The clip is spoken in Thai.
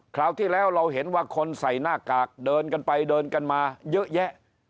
คราวที่แล้วเราเห็นว่าคนใส่หน้ากากเดินกันไปเดินกันมาเยอะแยะ